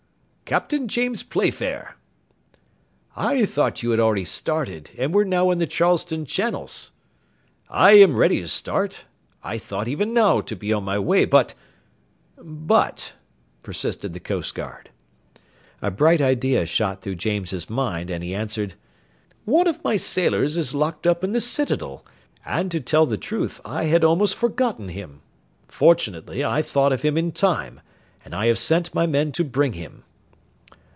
"Captain James Playfair." "I thought you had already started, and were now in the Charleston channels." "I am ready to start. I ought even now to be on my way but " "But " persisted the coastguard. A bright idea shot through James's mind, and he answered: "One of my sailors is locked up in the citadel, and, to tell the truth, I had almost forgotten him; fortunately I thought of him in time, and I have sent my men to bring him."